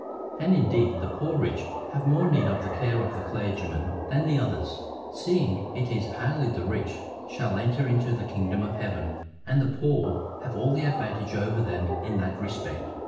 And indeed the poor rich have more need of the care of the clergyman than the others, seeing it is hardly that the rich shall enter into the kingdom of heaven, and the poor have all the advantage over them in that respect.